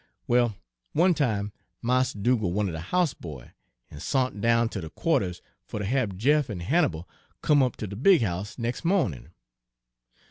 "Well, one time Mars' Dugal' wanted a house boy, en sont down ter de qua'ters fer ter hab Jeff en Hannibal come up ter de big house nex' mawnin'.